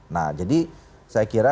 nah jadi saya kira